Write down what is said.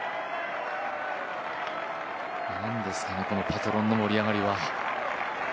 何ですかね、このパトロンの盛り上がりは。